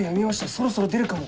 そろそろ出るかも。